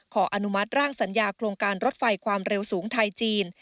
อนุมัติร่างสัญญาโครงการรถไฟความเร็วสูงไทยจีน